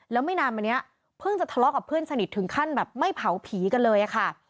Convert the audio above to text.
แล้วไม่นานมานี้เพิ่งจะทะเลาะกับเพื่อนสนิทถึงขั้นแบบไม่เผาผีกันเลยค่ะ